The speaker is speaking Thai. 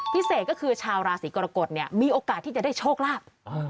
เกษตรก็คือชาวราศีกรกฎเนี่ยมีโอกาสที่จะได้โชคลาภ